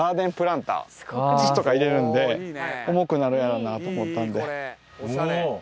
土とか入れるんで重くなるやろなと思ったんで。